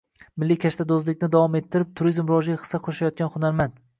Milliy kashtado‘zlikni davom ettirib, turizm rivojiga hissa qo‘shayotgan hunarmand